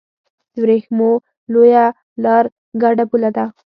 د ورېښمو لویه لار ګډه پوله ده.